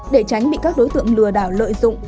để tránh bị các đối tượng lừa đảo lợi dụng